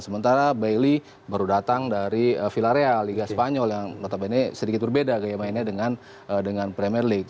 sementara baille baru datang dari vilarea liga spanyol yang notabene sedikit berbeda gaya mainnya dengan premier league